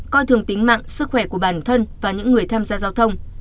coi thường tính mạng sức khỏe của bản thân và những người tham gia giao thông